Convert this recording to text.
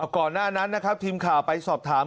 ก่อนหน้านั้นนะครับทีมข่าวไปสอบถาม